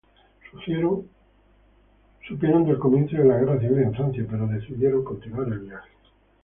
Supieron del comienzo de la guerra civil en Francia pero decidieron continuar el viaje.